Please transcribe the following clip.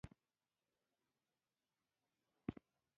ما کوښښ کاوه چې خنجر مې ستونی پرې نه کړي